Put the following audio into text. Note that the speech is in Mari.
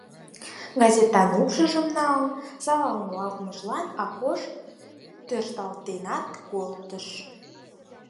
Гезан упшыжым налын саламлалтмыжлан Акош тӧршталтенат колтыш.